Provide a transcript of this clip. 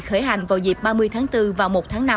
khởi hành vào dịp ba mươi tháng bốn và một tháng năm